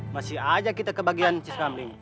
masih aja kita kebagian sis kambing